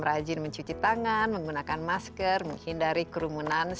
rajin mencuci tangan menggunakan masker menghindari kerumunan